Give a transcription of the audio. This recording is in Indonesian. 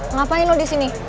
ngapain lo disini